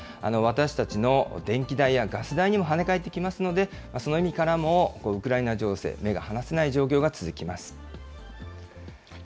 私たちの電気代やガス代にもはねかえってきますので、その意味からも、ウクライナ情勢、目が離せない状況が続きます。